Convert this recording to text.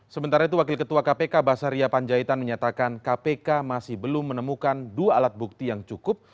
sementara itu wakil ketua kpk basaria panjaitan menyatakan kpk masih belum menemukan dua alat bukti yang cukup